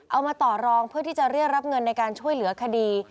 เอามาต่อรองเพื่อที่จะเรียกรับเงินในการช่วยเหลือคดี